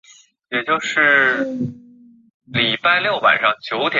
美元单位则以当年人民币平均汇率折算。